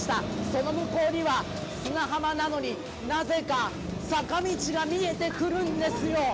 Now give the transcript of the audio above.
その向こうには砂浜なのに、なぜか坂道が見えてくるんですよ！